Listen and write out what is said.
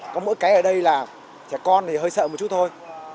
có mỗi cái ở đây là trẻ con thì hơi sợ một chút thôi